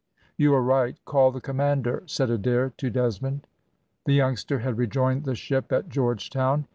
"You are right. Call the commander," said Adair to Desmond. The youngster had rejoined the ship at Georgetown.